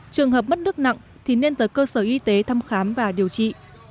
trường hợp mất nước nặng thì nên tới cơ sở y tế thăm khám và điều trị